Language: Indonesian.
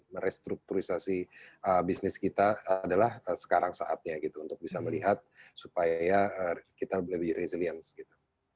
menstrukturisasi bisnis kita adalah sekarang saatnya untuk bisa melihat supaya kita lebih berdikkat